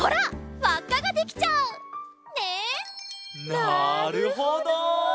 なるほど！